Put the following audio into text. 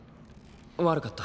悪かった。